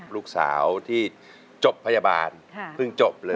ลูกสาวที่จบพยาบาลเพิ่งจบเลย